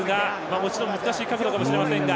もちろん難しい角度かもしれませんが。